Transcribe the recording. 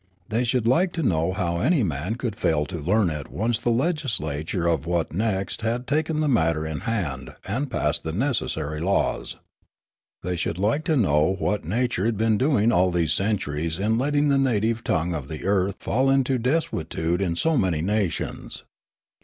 They should like to know how any man could fail to learn it once the legislature of Wotnekst had taken the matter in hand and passed the necessary laws. They should like to know what Na ture had been doing all these centuries in letting the native tongue of the earth fall into desuetude in so many nations.